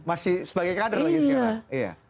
masih sebagai kader lagi sekarang